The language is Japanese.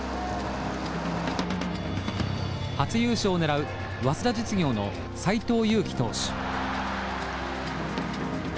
初優勝を狙う早稲田実業の斎藤佑樹投手。